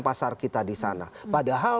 pasar kita di sana padahal